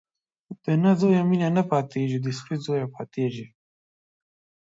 د نه زويه مينه نه پاتېږي ، د سپي زويه پاتېږي.